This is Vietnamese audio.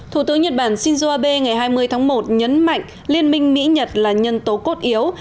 thủ tướng nhật bản shinzo abe ngày hai mươi tháng một nhấn mạnh liên minh mỹ nhật là nhân tố cốt yếu